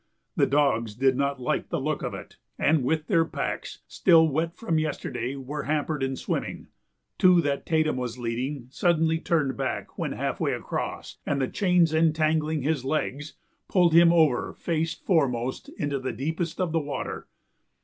The dogs did not like the look of it and with their packs, still wet from yesterday, were hampered in swimming. Two that Tatum was leading suddenly turned back when half way across, and the chains, entangling his legs, pulled him over face foremost into the deepest of the water.